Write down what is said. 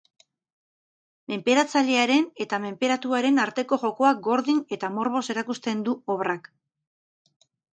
Menperatzailearen eta menperatuaren arteko jokoa gordin eta morboz erakusten du obrak.